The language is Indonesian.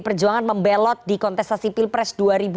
perjuangan membelot di kontestasi pilpres dua ribu dua puluh